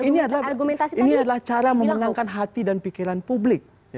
ini adalah cara memenangkan hati dan pikiran publik